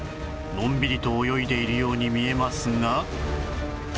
のんびりと泳いでいるように見えますが